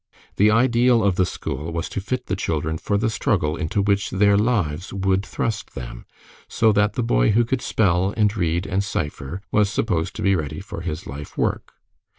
The ideal of the school was to fit the children for the struggle into which their lives would thrust them, so that the boy who could spell and read and cipher was supposed to be ready for his life work.